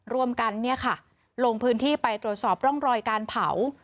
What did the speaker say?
ร่วมกันลงพื้นที่ไปตรวจสอบร่องรอยการเผา